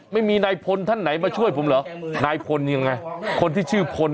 ไม่มีนายพลท่านไหนมาช่วยผมเหรอนายพลยังไงคนที่ชื่อพล